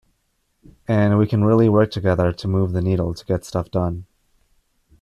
And we can really work together to move the needle to get stuff done.